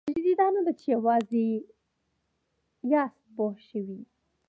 تراژیدي دا نه ده چې یوازې یاست پوه شوې!.